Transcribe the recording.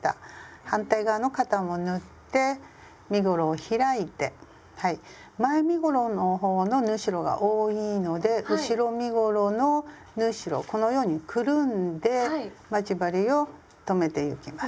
反対側の肩も縫って身ごろを開いて前身ごろの方の縫い代が多いので後ろ身ごろの縫い代をこのようにくるんで待ち針を留めてゆきます。